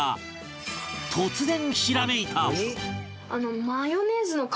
突然ひらめいた！